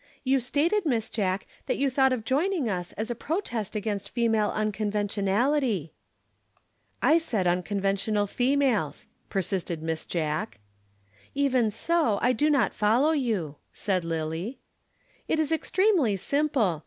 You stated, Miss Jack, that you thought of joining us as a protest against female unconventionally." "I said unconventional females," persisted Miss Jack. "Even so, I do not follow you," said Lillie. "It is extremely simple.